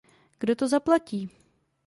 Kdo to zaplatí?